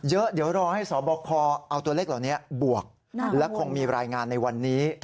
เยอะเดี๋ยวรอให้สบคเอาตัวเลขเหล่านี้บวกและคงมีรายงานในวันนี้